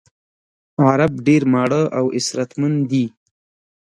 عرب ډېر ماړه او اسراتمن دي.